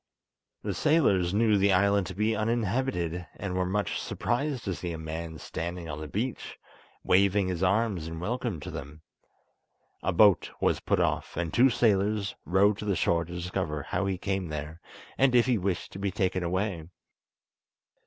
The sailors knew the island to be uninhabited, and were much surprised to see a man standing on the beach, waving his arms in welcome to them. A boat was put off, and two sailors rowed to the shore to discover how he came there, and if he wished to be taken away.